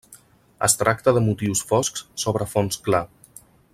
Es tracta de motius foscs sobre fons clar.